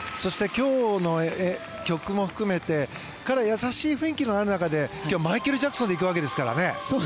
今日の曲も含め彼は優しい雰囲気がある中でマイケル・ジャクソンでいくわけですからね。